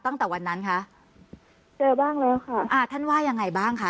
ตั้งแต่วันนั้นคะเจอบ้างแล้วค่ะอ่าท่านว่ายังไงบ้างคะ